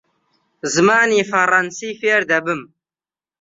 زمانی فەڕەنسی فێر دەبم.